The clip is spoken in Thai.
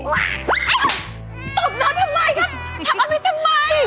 อ้าวตบน้องทำไมครับทำอภิษทำไม